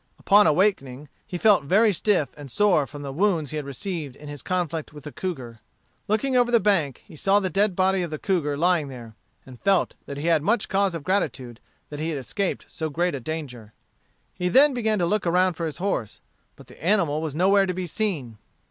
Upon awaking, he felt very stiff and sore from the wounds he had received in his conflict with the cougar. Looking over the bank, he saw the dead body of the cougar lying there, and felt that he had much cause of gratitude that he had escaped so great a danger. He then began to look around for his horse. But the animal was nowhere to be seen.